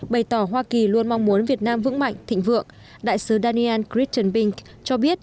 bày tỏ hoa kỳ luôn mong muốn việt nam vững mạnh thịnh vượng đại sứ daniel crittenbing cho biết